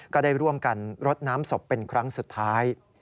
ก็ได้ร่วมกันรดน้ำศพเป็นครั้งสุดท้าย